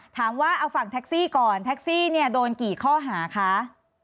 ถามว่าเอาฝั่งแท็กซี่ก่อนแท็กซี่เนี่ยโดนกี่ข้อหาคะ